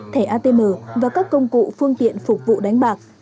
thẻ atm và các công cụ phương tiện phục vụ đánh bạc